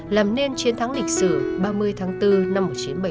làm nên chiến thắng lịch sử ba mươi tháng bốn năm một nghìn chín trăm bảy mươi năm